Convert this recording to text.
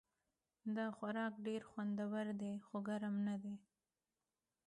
دا خوراک ډېر خوندور ده خو ګرم نه ده